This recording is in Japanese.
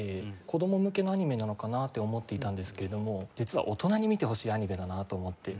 子供向けのアニメなのかなって思っていたんですけれども実は大人に見てほしいアニメだなと思って。